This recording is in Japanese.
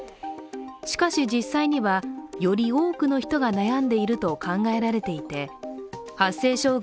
しかし、実際には寄り多くの人が悩んでいると考えられていて発声障害